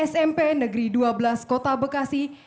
smp negeri dua belas kota bekasi